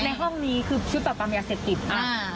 ในห้องนี่คือชุดต่อปำเนื้อเสร็จกิจอ้า